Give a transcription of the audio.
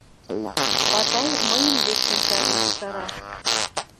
— Патай мыйын век шинчажым кусара.